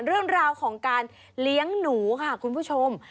เรื่องราวของการเลี้ยงหนูค่ะคุณผู้ชม